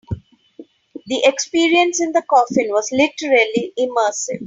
The experience in the coffin was literally immersive.